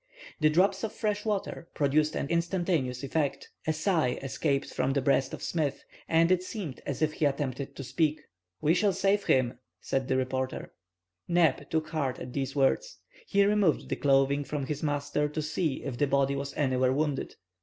The drops of fresh water produced an instantaneous effect. A sigh escaped from the breast of Smith, and it seemed as if he attempted to speak. "We shall save him," said the reporter. Neb took heart at these words. He removed the clothing from his master to see if his body was anywhere wounded.